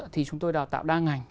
thì chúng tôi đào tạo đa ngành